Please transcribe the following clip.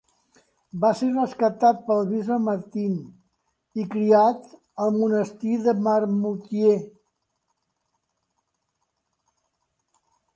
Va ser rescatat pel bisbe Martin i criat al monestir de Marmoutiers.